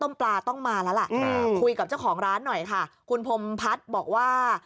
เขาต้มปลาต้องมาแล้วฮึยกับเจ้าของร้านเลยค่ะคุณพมพัทธิ์บอกว่า